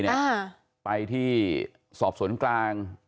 เนี่ยอ่างไปที่สอบสนกลาง